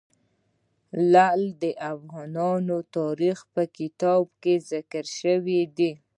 لعل د افغان تاریخ په کتابونو کې ذکر شوی دي.